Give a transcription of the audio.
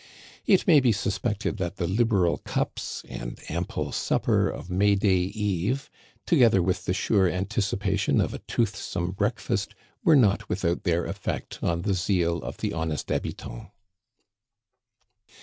It may be suspected that the liberal cups and ample supper of May day eve, together with the sure anticipation of a toothsome breakfast, were not without their effect on the zeal of the honest habitants.